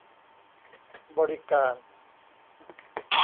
บริการ